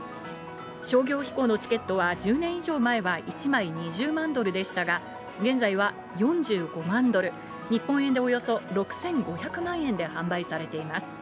商業飛行のチケットは１０年以上前は１枚２０万ドルでしたが、現在は４５万ドル、日本円でおよそ６５００万円で販売されています。